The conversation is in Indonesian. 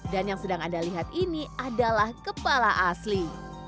dan yang sedang anda lihat ini adalah kepala asli